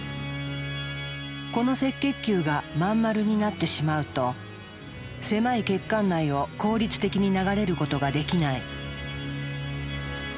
この赤血球が真ん丸になってしまうと狭い血管内を効率的に流れることができない。